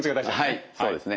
はいそうですね。